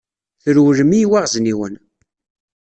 Trewlem i yiweɣezniwen.